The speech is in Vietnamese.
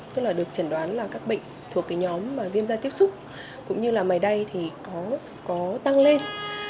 tức là được chẩn đoán là các bệnh thuộc nhóm viêm da tiếp xúc cũng như là máy đay thì có tăng lên